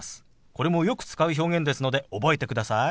これもよく使う表現ですので覚えてください。